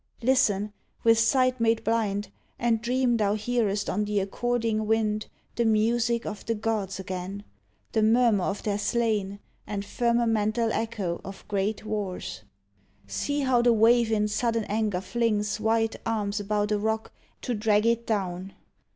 Listen, with sight made blind, And dream thou hearest on the according wind The music of the gods again, The murmur of their slain And firmamental echo of great wars. See how the wave in sudden anger flings White arms about a rock to drag it down!